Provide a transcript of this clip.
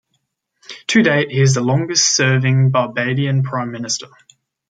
To date, he is the longest serving Barbadian Prime Minister.